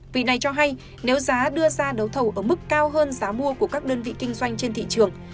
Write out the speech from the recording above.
vì này cho hay nếu giá đưa ra đấu thầu ở mức cao hơn giá mua của các đơn vị kinh doanh trên thị trường